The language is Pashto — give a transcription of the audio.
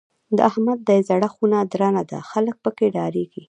د احمد دی زړه خونه درنه ده؛ خلګ په کې ډارېږي.